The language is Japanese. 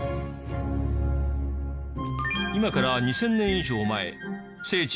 今から２０００年以上前聖地